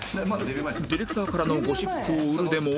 「ディレクターからのゴシップを売る」でも